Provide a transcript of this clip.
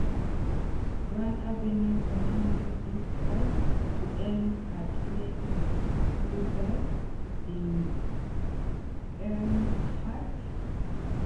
Grand Avenue continues eastward to end at Queens Boulevard in Elmhurst.